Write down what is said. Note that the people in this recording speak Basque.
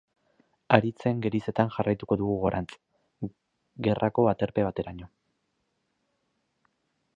Haritzen gerizetan jarraituko dugu gorantz, gerrako aterpe bateraino.